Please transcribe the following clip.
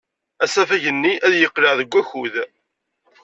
Asafag-nni ad yeqleɛ deg wakud?